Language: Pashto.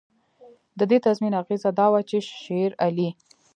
د دې تضمین اغېزه دا وه چې شېرعلي.